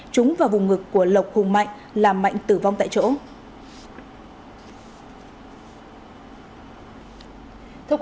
trúng vào vùng ngực của lộc hùng mạnh làm mạnh tử vong tại chỗ